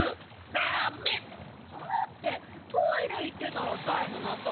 だってトイレいってたらチャイムなったからあわてて。